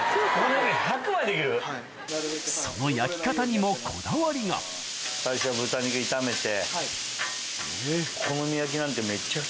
その焼き方にもこだわりが最初は豚肉炒めて。